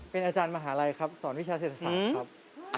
เป็นอาจารย์มหาลัยครับสอนวิชาเศรษฐศาสตร์ครับ